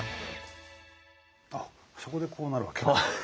あっそこでこうなるわけか。